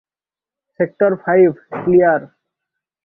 Sector five, clear.